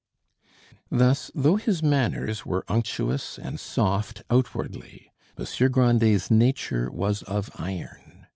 Thus, though his manners were unctuous and soft outwardly, Monsieur Grandet's nature was of iron.